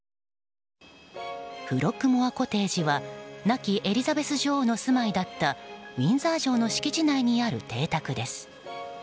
フロッグモア・コテージは亡きエリザベス女王の住まいだったウィンザー城の敷地内にある邸宅です。